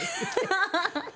ハハハハッ！